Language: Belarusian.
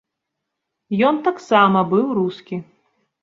Ён таксама быў рускі.